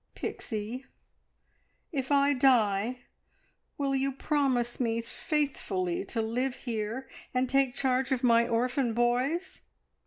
"Pixie, if I die will you promise me faithfully to live here and take charge of my orphan boys?"